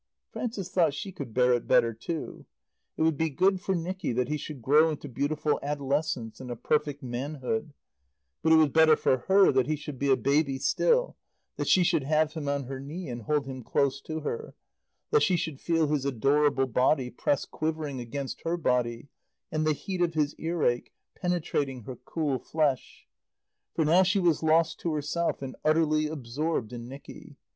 Frances thought she could bear it better too. It would be good for Nicky that he should grow into beautiful adolescence and a perfect manhood; but it was better for her that he should be a baby still, that she should have him on her knee and hold him close to her; that she should feel his adorable body press quivering against her body, and the heat of his earache penetrating her cool flesh. For now she was lost to herself and utterly absorbed in Nicky.